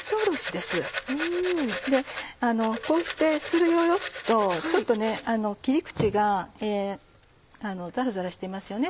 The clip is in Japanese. でこうしてすりおろすとちょっと切り口がザラザラしていますよね。